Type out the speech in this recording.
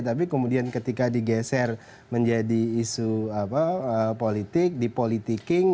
tapi kemudian ketika digeser menjadi isu politik di politiking